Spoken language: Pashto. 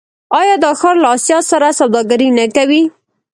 آیا دا ښار له اسیا سره سوداګري نه کوي؟